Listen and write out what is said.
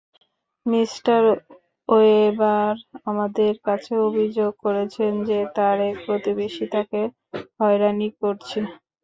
Mr Weber আমাদের কাছে অভিযোগ করেছেন যে তার এক প্রতিবেশী তাকে হয়রানি করছে।